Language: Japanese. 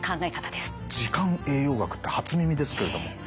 時間栄養学って初耳ですけれども。